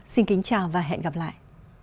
xin kính chào và hẹn gặp lại